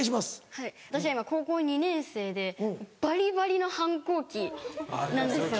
はい私今高校２年生でバリバリの反抗期なんですよ。